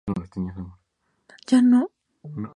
Es conocido en el circuito surfista como Big Foot.